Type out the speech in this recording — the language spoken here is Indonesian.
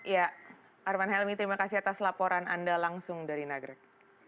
ya arman helmi terima kasih atas laporan anda langsung dari nagrek